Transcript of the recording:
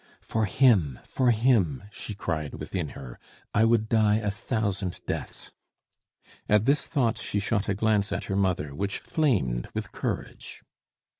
"For him! for him!" she cried within her, "I would die a thousand deaths." At this thought, she shot a glance at her mother which flamed with courage.